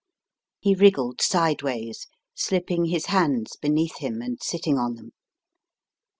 He wriggled sideways, slipping his hands beneath him and sitting on them.